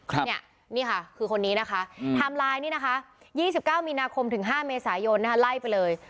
ครับเนี้ยค่ะคือคนนี้นะคะอืมทำลายนี่นะคะยี่สิบเก้ามีนาคมถึงห้าเมษายนนะคะไล่ไปเลย